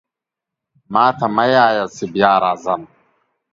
ماته مه وایه چې بیا راځم.